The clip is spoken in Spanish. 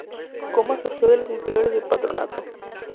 Comas surgió de las inferiores de Patronato.